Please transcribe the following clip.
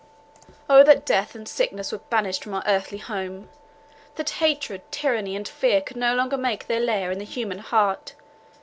"Oh, that death and sickness were banished from our earthly home! that hatred, tyranny, and fear could no longer make their lair in the human heart!